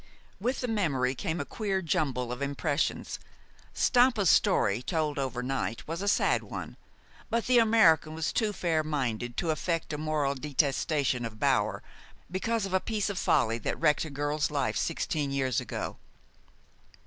With the memory came a queer jumble of impressions. Stampa's story, told overnight, was a sad one; but the American was too fair minded to affect a moral detestation of Bower because of a piece of folly that wrecked a girl's life sixteen years ago.